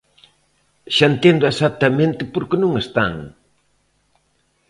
¡Xa entendo, exactamente, por que non están!